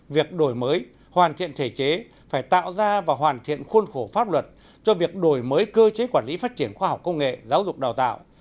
việc đổi mới hoàn thiện thể chế phải tạo ra và hoàn thiện khuôn khổ pháp luật cho việc đổi mới cơ chế quản lý phát triển khoa học công nghệ giáo dục đào tạo